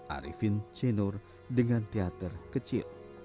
arifin cenur dengan teater kecil